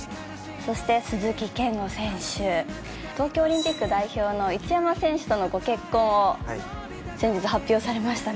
そして鈴木健吾選手、東京オリンピック代表の一山選手との結婚を先日発表されましたね。